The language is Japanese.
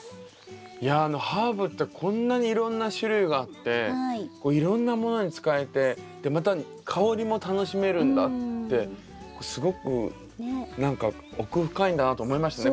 いやハーブってこんなにいろんな種類があっていろんなものに使えてまた香りも楽しめるんだってすごく何か奥深いなと思いましたね